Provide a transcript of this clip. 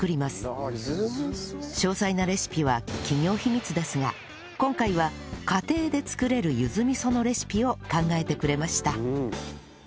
詳細なレシピは企業秘密ですが今回は家庭で作れるゆず味噌のレシピを考えてくれました